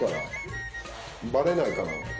バレないかなって。